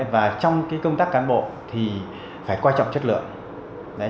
và trong công tác cán bộ thì phải quan trọng chất lượng